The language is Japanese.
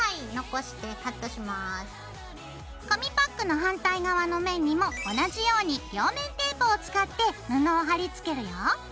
紙パックの反対側の面にも同じように両面テープを使って布を貼り付けるよ。